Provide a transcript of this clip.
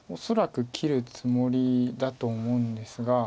恐らく切るつもりだと思うんですが。